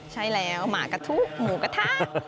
ใช่แล้วหมากะทุหมูกระทะ